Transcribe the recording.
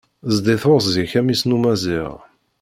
Zdi teɣzi-k a mmi-s n umaziɣ